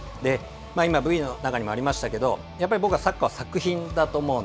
今、Ｖの中にもありましたけれども、やっぱり僕はサッカーを作品作品？